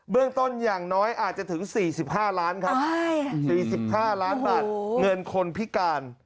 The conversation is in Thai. เรื่องต้นอย่างน้อยอาจจะถึง๔๕ล้านครับ๔๕ล้านบาทเงินคนพิการ